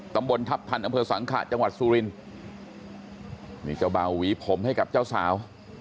ตำบลทัพทันอำเภอสังขะจังหวัดสุรินนี่เจ้าเบาหวีผมให้กับเจ้าสาว